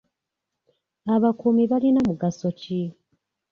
Abakuumi balina mugaso ki?